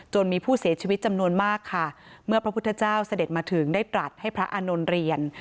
มีผู้เสียชีวิตจำนวนมากค่ะเมื่อพระพุทธเจ้าเสด็จมาถึงได้ตรัสให้พระอานนท์เรียน